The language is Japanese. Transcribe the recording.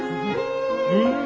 うん。